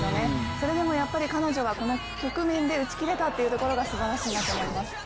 それでも彼女はこの局面で打ち切れたっていうところがすばらしいなと思います。